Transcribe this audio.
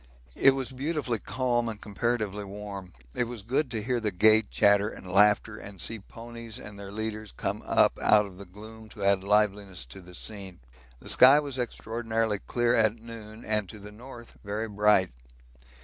It was beautifully calm and comparatively warm. It was good to hear the gay chatter and laughter, and see ponies and their leaders come up out of the gloom to add liveliness to the scene. The sky was extraordinarily clear at noon and to the north very bright.